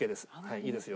いいですよ。